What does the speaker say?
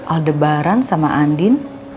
aldebaran sama andin